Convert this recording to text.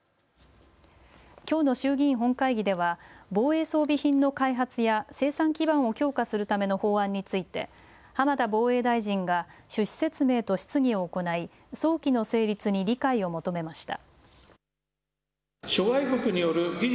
きょうの衆議院本会議では防衛装備品の開発や生産基盤を強化するための法案について浜田防衛大臣が趣旨説明と質疑を行い早期の成立に理解を求めました。